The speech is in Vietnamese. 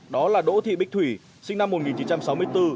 đó là đỗ thị bích thủy sinh năm một nghìn chín trăm sáu mươi bốn